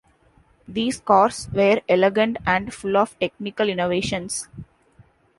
These cars were elegant and full of technical innovations.